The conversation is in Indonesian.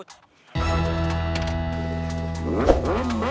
duduk kok semua